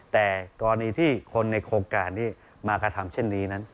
แต่กรณีที่คนในโครงการนี้มากระทำเช่นนี้นั้น